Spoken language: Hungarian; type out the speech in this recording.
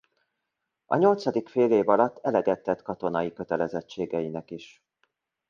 A nyolcadik félév alatt eleget tett katonai kötelezettségeinek is.